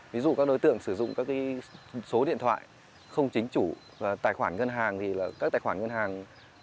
ví dụ các đối tượng sử dụng các số điện thoại không chính chủ tài khoản ngân hàng thì là các tài khoản ngân hàng